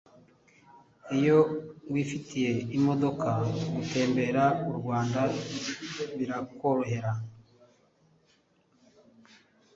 Iyo wifitiye imodoka gutembera urwanda birakorohera